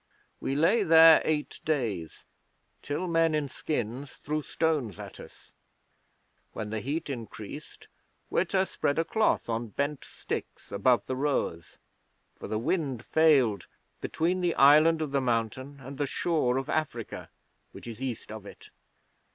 We lay there eight days, till men in skins threw stones at us. When the heat increased Witta spread a cloth on bent sticks above the rowers, for the wind failed between the Island of the Mountain and the shore of Africa, which is east of it.